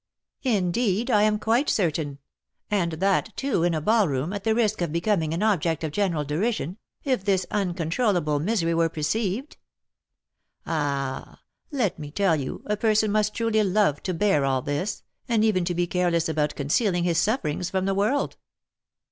"Indeed, I am quite certain; and that, too, in a ballroom, at the risk of becoming an object of general derision, if this uncontrollable misery were perceived! Ah! let me tell you, a person must truly love to bear all this, and even to be careless about concealing his sufferings from the world."